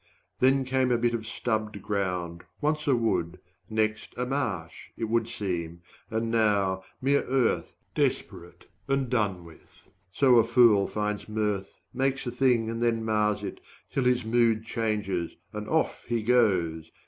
Then came a bit of stubbed ground, once a wood, 145 Next a marsh, it would seem, and now mere earth Desperate and done with so a fool finds mirth, Makes a thing and then mars it, till his mood Changes and off he goes!